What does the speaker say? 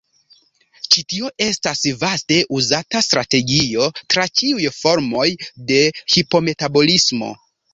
Ĉi tio estas vaste uzata strategio tra ĉiuj formoj de hipometabolismo.